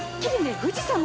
富士山や。